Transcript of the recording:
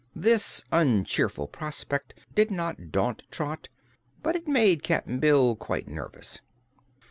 This uncheerful prospect did not daunt Trot, but it made Cap'n Bill quite nervous.